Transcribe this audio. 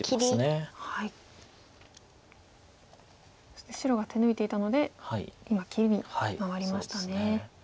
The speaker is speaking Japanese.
そして白が手抜いていたので今切りに回りましたね。